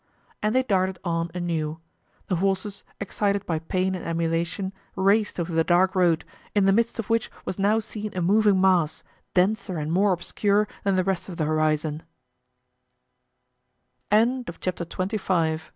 And they darted on anew. The horses, excited by pain and emulation, raced over the dark road, in the midst of which was now seen a moving mass, denser and more obscure than the rest of the horizon. Chapter XXVI. The Rencontre.